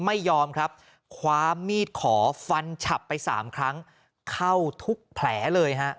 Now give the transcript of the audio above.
ไม่ยอมครับคว้ามีดขอฟันฉับไปสามครั้งเข้าทุกแผลเลยฮะ